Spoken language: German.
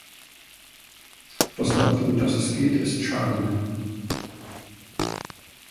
Das Wort, um das es geht, ist 'Charme'.